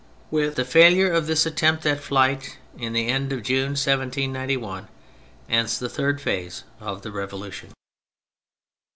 With the failure of this attempt at flight in the end of June 1791, ends the third phase of the Revolution.